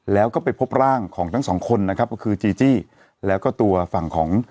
แล้วก็ไปพบร่างของทั้งสองคนนะครับก็คือจีจี้แล้วก็ตัวฝั่งของ